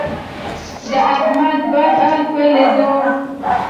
د احمد بد حال په لیدو،